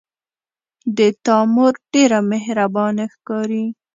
د تا مور ډیره مهربانه ښکاري